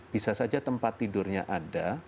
bisa saja tempat tidurnya ada